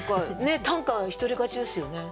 短歌一人勝ちですよね？